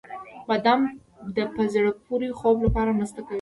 • بادام د په زړه پورې خوب لپاره مرسته کوي.